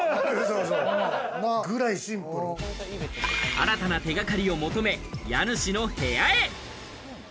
新たな手掛かりを求め、家主の部屋へ。